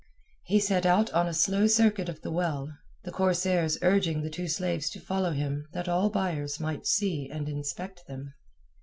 He set out on a slow circuit of the well, the corsairs urging the two slaves to follow him that all buyers might see and inspect them.